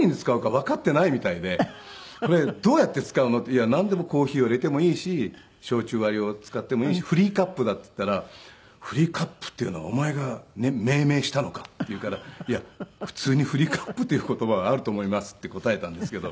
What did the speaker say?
「いやなんでもコーヒーをいれてもいいし焼酎割りを使ってもいいし」「フリーカップだ」って言ったら「フリーカップっていうのはお前が命名したのか？」って言うから「いや普通にフリーカップという言葉はあると思います」って答えたんですけど。